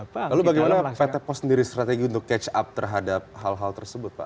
lalu bagaimana pt pos sendiri strategi untuk catch up terhadap hal hal tersebut pak